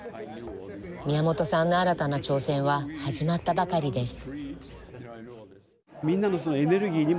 宮本さんの新たな挑戦は始まったばかりです。